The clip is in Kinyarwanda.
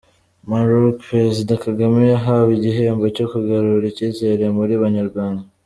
Maroc: Perezida Kagame yahawe igihembo cyo kugarura icyizere mu Banyarwanda.